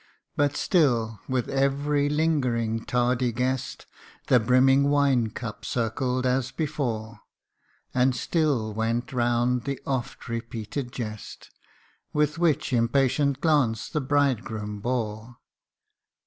But still, with every lingering tardy guest The brimming wine cup circled as before : And still went round the oft repeated jest, Which with impatient glance the bridegroom bore.